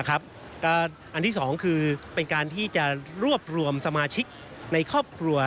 อันที่๒คือเป็นการที่จะรวบรวมสมาชิกในครอบครัว